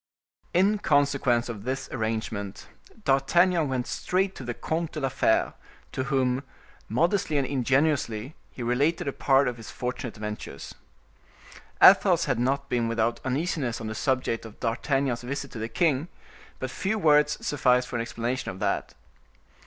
In consequence of this arrangement, D'Artagnan went straight to the Comte de la Fere, to whom, modestly and ingenuously, he related a part of his fortunate adventures. Athos had not been without uneasiness on the subject of D'Artagnan's visit to the king; but few words sufficed for an explanation of that.